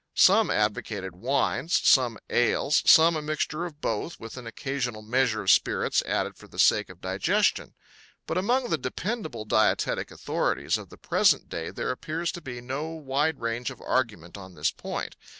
Some advocated wines, some ales, some a mixture of both with an occasional measure of spirits added for the sake of digestion. But among the dependable dietetic authorities of the present day there appears to be no wide range of argument on this point.